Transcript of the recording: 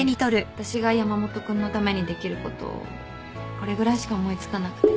私が山本君のためにできることこれぐらいしか思い付かなくて。